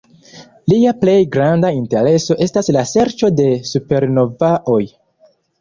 Lia plej granda intereso estas la serĉo de supernovaoj.